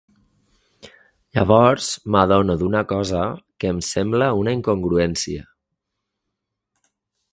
Llavors m'adono d'una cosa que em sembla una incongruència.